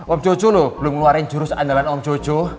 om jojo loh belum ngeluarin jurus andalan om jojo